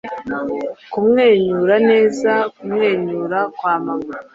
Kumwenyura neza, kumwenyura kwa mama,